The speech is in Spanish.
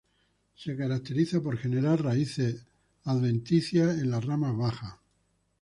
Se caracteriza por generar raíces adventicias en las ramas bajas.